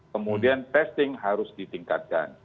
kemudian testing harus ditingkatkan